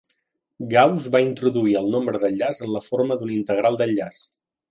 Gauss va introduir el nombre d'enllaç en la forma d'un integral d'enllaç.